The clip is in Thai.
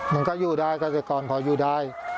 มันก็อยู่ได้เกษตรกรพออยู่ได้